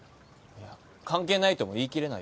いや関係ないとも言い切れないよ。